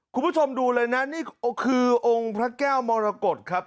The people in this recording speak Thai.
คุณผู้ชมดูเลยนะนี่คือองค์พระแก้วมรกฏครับ